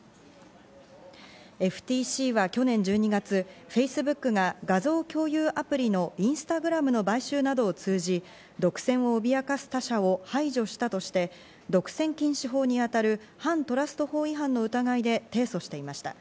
ＦＴＣは去年１２月、Ｆａｃｅｂｏｏｋが画像共有アプリのインスタグラムの買収などを通じ、独占を脅かす他社を排除したとして、独占禁止法に当たる反トラスト法違反の疑いで提訴していました。